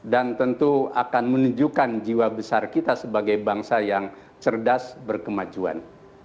dan tentu akan menunjukkan jiwa besar kita sebagai bangsa yang cerdas berkemajuan